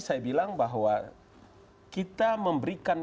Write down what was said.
saya bilang bahwa kita memberikan